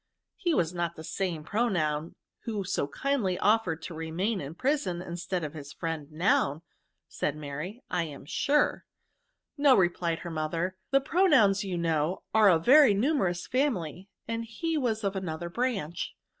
"*" He was not the same Pronoun who sq kindly offered to remain in prison instead of liis friend Noun," said Mary, *< I am sure," " No," replied her mother, " the Pronouns^ you know, are a very nimierous family, and he was of another branch.